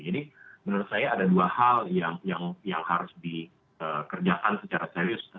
jadi menurut saya ada dua hal yang harus dikerjakan secara serius